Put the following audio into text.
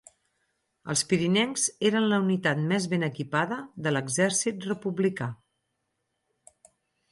Els pirinencs eren la unitat més ben equipada de l'exèrcit republicà.